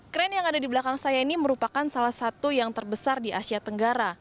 kren yang ada di belakang saya ini merupakan salah satu yang terbesar di asia tenggara